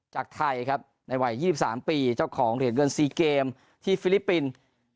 จากไทยครับในวัย๒๓ปีเจ้าของเหรียญเงิน๔เกมที่ฟิลิปปินส์